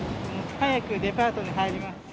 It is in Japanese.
早くデパートに入ります。